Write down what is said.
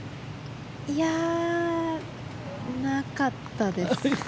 いやなかったです。